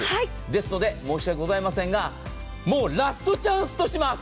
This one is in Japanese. ですので申し訳ございませんが、もうラストチャンスとします。